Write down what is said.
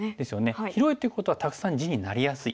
広いということはたくさん地になりやすい。